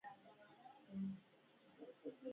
چې د پښتو پنځه واړه یګانې پکې مراعات شوې وي.